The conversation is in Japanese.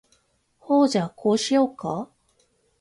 ほーじゃ、こうしようか？